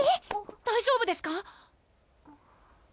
大丈夫ですか？